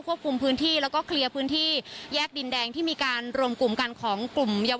คุณภาคภูมิคุณเข็มมาสอนค่ะ